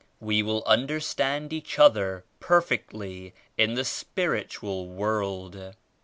We will understand each other perfectly in the spiritual world.